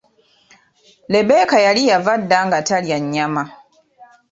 Lebbeka yali yava dda nga talya nnyama.